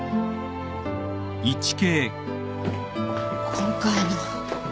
今回の。